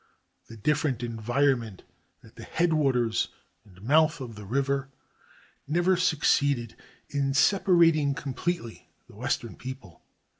The different environment at the headwaters and mouth of the river never succeeded in separating completely the western people.